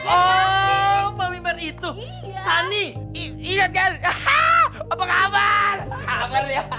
oh mami mer itu sunny iya kan apa kabar